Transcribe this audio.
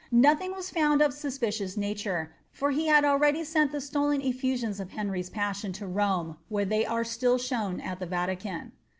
* Nothing was found of a suspicious nature, for he had already sent the stolen efiusions of Henry's passion to Rome, where they are still shown at the Vatican.